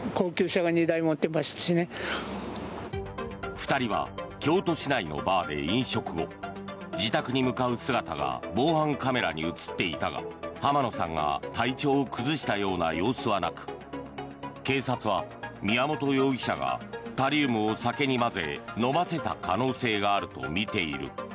２人は京都市内のバーで飲食後自宅に向かう姿が防犯カメラに映っていたが浜野さんが体調を崩したような様子はなく警察は宮本容疑者がタリウムを酒に混ぜ飲ませた可能性があるとみている。